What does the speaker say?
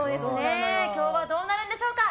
今日はどうなるんでしょうか。